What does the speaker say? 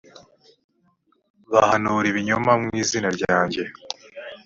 bahanura ibinyoma mu izina ryanjye